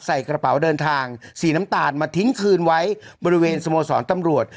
ใส่กระเป๋าเดินทางสีน้ำตาลมาทิ้งคืนไว้บริเวณสโมสรตำรวจ